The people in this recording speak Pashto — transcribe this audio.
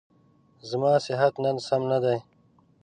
زما صحت نن سم نه دی.